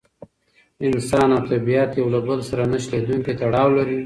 انسان او طبیعت یو له بل سره نه شلېدونکی تړاو لري.